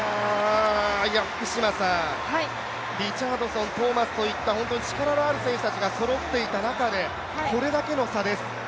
リチャードソン、トーマスといった力のある選手たちがそろっていた中でこれだけの差です。